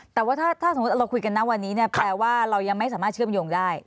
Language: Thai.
แต่ว่าถ้าสมมุติเราคุยกันนะวันนี้เนี่ยแปลว่าเรายังไม่สามารถเชื่อมโยงได้